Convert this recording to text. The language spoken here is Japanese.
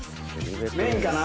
メインかな？